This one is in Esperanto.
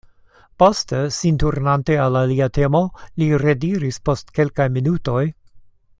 Poste, sin turnante al alia temo, li rediris post kelkaj minutoj: